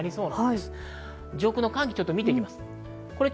上空の寒気を見ていきます。